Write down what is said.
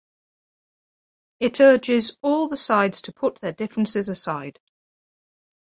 It urges all the sides to put their differences aside.